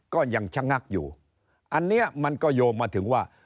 ก็ยังชะงักอยู่อันนี้มันก็โยงมาถึงว่า